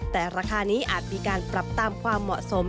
แต่ราคานี้อาจมีการปรับตามความเหมาะสม